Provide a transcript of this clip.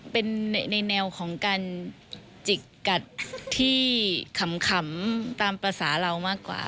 เป็นในแนวของการจิกกัดที่ขำตามภาษาเรามากกว่า